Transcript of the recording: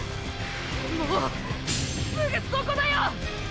もうすぐそこだよ！！